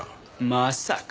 まさか。